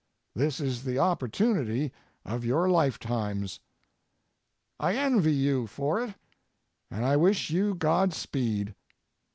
This is the opportunity of your lifetimes. I envy you for it, and I wish you Godspeed.